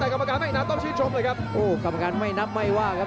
แต่กรรมการไม่นับต้องชื่นชมเลยครับโอ้กรรมการไม่นับไม่ว่าครับ